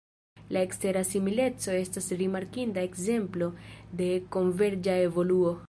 La ekstera simileco estas rimarkinda ekzemplo de konverĝa evoluo.